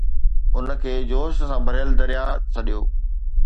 ان کي جوش سان ڀريل درياهه سڏيو